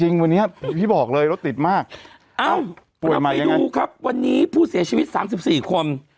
หรอหรอหรอหรอหรอหรอหรอหรอหรอหรอหรอหรอหรอ